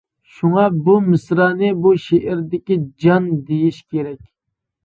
شۇڭا بۇ مىسرانى بۇ شېئىردىكى «جان» دېيىش كېرەك!